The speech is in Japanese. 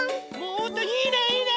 おっといいねいいね！